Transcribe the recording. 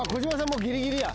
もうギリギリや。